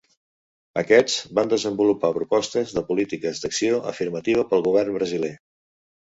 Aquests, van desenvolupar propostes de polítiques d'acció afirmativa pel govern brasiler.